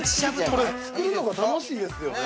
◆これ、作るのが楽しいですよね。